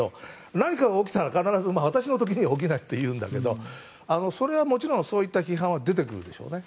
何かが起きたら私の時には起きないと必ず言うんだけどもちろん、そういった批判は出てくるでしょうね。